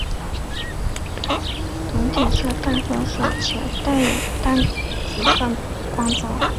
蛹体色淡褐且带有淡紫色光泽。